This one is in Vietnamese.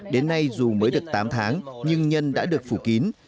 đến nay dù mới được tám tháng nhưng nhân đã được phủ kín